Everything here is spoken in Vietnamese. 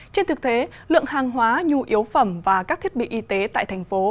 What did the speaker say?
trên thực tế lượng hàng hóa nhu yếu phẩm và các thiết bị y tế tại thành phố